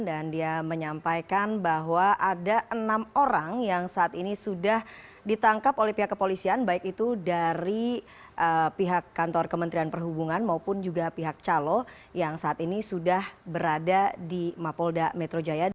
dan dia menyampaikan bahwa ada enam orang yang saat ini sudah ditangkap oleh pihak kepolisian baik itu dari pihak kantor kementerian perhubungan maupun juga pihak calo yang saat ini sudah berada di mapolda metro jaya